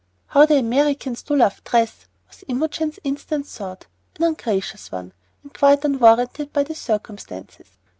"How the Americans do love dress!" was Imogen's instant thought, an ungracious one, and quite unwarranted by the circumstances.